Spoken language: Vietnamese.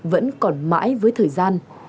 vẫn còn mãi với thời gian